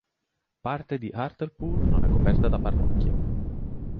Parte di Hartlepool non è coperta da parrocchie.